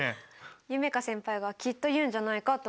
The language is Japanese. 夢叶先輩がきっと言うんじゃないかと思ったんです。